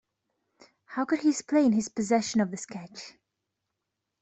How could he explain his possession of the sketch.